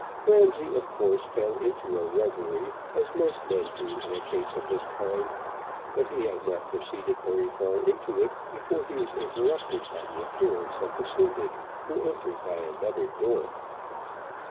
Ramsay of course fell into a reverie, as most men do in a case of this kind; but he had not proceeded very far into it before he was interrupted by the appearance of the syndic, who entered by another door.